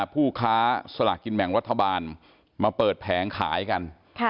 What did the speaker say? ผู้ค้าสลากกินแบ่งรัฐบาลมาเปิดแผงขายกัน